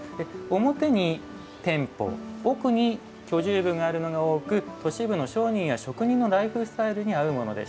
表に店舗奥に居住部があるのが多く都市部の商人や職人のライフスタイルに合うものでした。